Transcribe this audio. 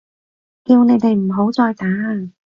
叫你哋唔好再打啊！